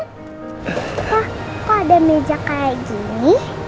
hah kok ada meja kayak gini